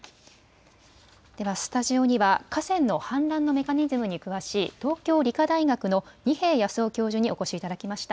ではスタジオには河川の氾濫のメカニズムに詳しい東京理科大学の二瓶泰雄教授にお越しいただきました。